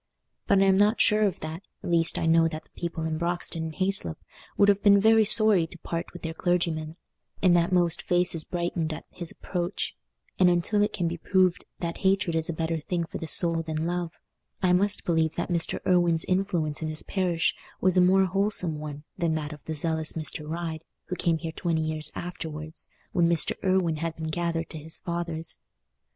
But I am not sure of that; at least I know that the people in Broxton and Hayslope would have been very sorry to part with their clergyman, and that most faces brightened at his approach; and until it can be proved that hatred is a better thing for the soul than love, I must believe that Mr. Irwine's influence in his parish was a more wholesome one than that of the zealous Mr. Ryde, who came there twenty years afterwards, when Mr. Irwine had been gathered to his fathers.